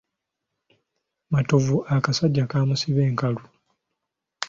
Matovu akasajja kaamusiba enkalu.